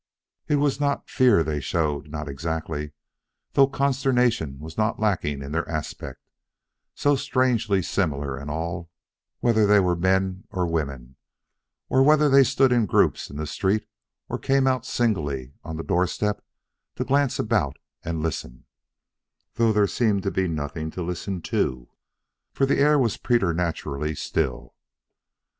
It was not fear they showed, not exactly, though consternation was not lacking in their aspect, so strangely similar in all, whether they were men or women, or whether they stood in groups in the street or came out singly on the doorstep to glance about and listen, though there seemed to be nothing to listen to, for the air was preternaturally still.